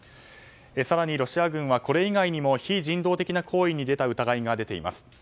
更にロシア軍はこれ以外にも非人道的な行為に出た疑いが出ています。